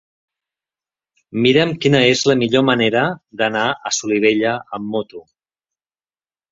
Mira'm quina és la millor manera d'anar a Solivella amb moto.